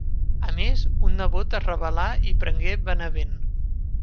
A més, un nebot es rebel·là i prengué Benevent.